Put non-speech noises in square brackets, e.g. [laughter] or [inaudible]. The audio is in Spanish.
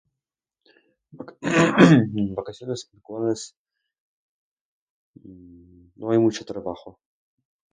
[clears throat] En vacaciones pues... no hay mucho trabajo.